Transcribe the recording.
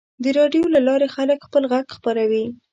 د راډیو له لارې خلک خپل غږ خپروي.